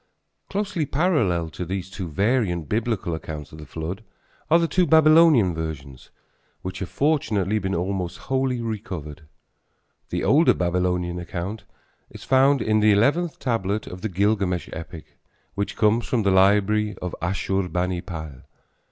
Closely parallel to these two variant Biblical accounts of the flood are the two Babylonian versions, which have fortunately been almost wholly recovered. The older Babylonian account is found in the eleventh tablet of the Gilgamesh epic, which comes from the library of Asshurbanipal.